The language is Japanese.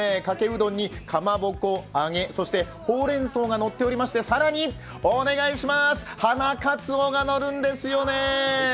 かけうどんにかまぼこ、揚げ、ほうれんそうが乗っておりまして更にお願いします、花かつおがのるんですよね。